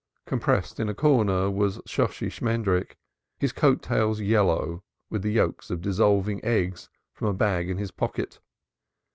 Compressed in a corner was Shosshi Shmendrik, his coat tails yellow with the yolks of dissolving eggs from a bag in his pocket.